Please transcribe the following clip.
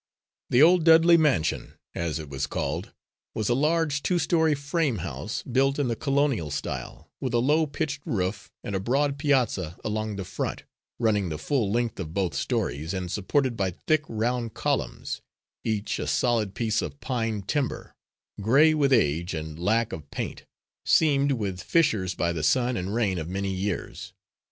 The old Dudley "mansion," as it was called, was a large two story frame house, built in the colonial style, with a low pitched roof, and a broad piazza along the front, running the full length of both stories and supported by thick round columns, each a solid piece of pine timber, gray with age and lack of paint, seamed with fissures by the sun and rain of many years.